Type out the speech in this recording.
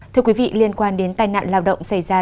thưa quý vị liên quan đến tai nạn lao động xảy ra